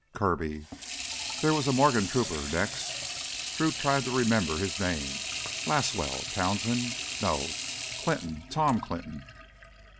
Kirby? There was a Morgan trooper next Drew tried to remember his name. Laswell ... Townstead ... no, Clinton! Tom Clinton.